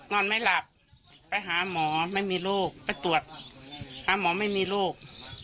นอนไม่หลับไปหาหมอไม่มีโรคไปตรวจหาหมอไม่มีโรค